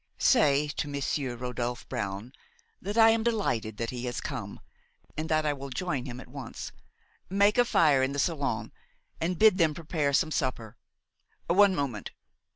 "Say to Monsieur Rodolphe Brown that I am delighted that he has come and that I will join him at once. Make a fire in the salon and bid them prepare some supper. One moment!